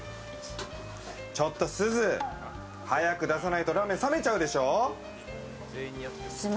ちょっとすず、早く出さないとラーメン冷めちゃうでしょ。